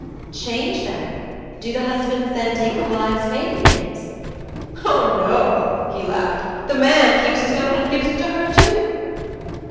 "Change them? Do the husbands then take the wives' 'maiden names'?" "Oh, no," he laughed. "The man keeps his own and gives it to her, too."